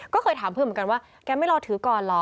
ก็เคยถามเพื่อนเหมือนกันว่าแกไม่รอถือก่อนเหรอ